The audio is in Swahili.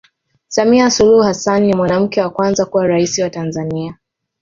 samia suluhu hassan ni mwanamke wa kwanza kuwa raisi wa tanzania